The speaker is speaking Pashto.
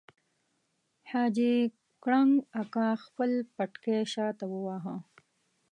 حاجي کړنګ اکا خپل پټکی شاته وواهه.